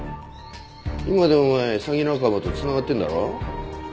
今でもお前詐欺仲間と繋がってるんだろ？